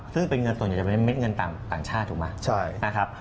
ซึ่งเป็นเงินส่วนใหญ่จะเป็นเม็ดเงินต่างชาติถูกไหมนะครับ